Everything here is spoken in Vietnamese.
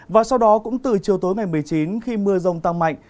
và sau đó cũng từ chiều tối ngày một mươi chín khi mưa rông tăng mạnh